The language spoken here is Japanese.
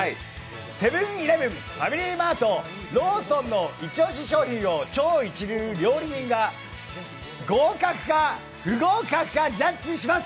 セブン−イレブン、ファミリーマート、ローソンのイチオシ商品を超一流料理人が合格か不合格かジャッジします。